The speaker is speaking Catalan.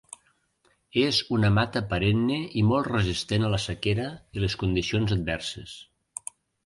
És una mata perenne i molt resistent a la sequera i les condicions adverses.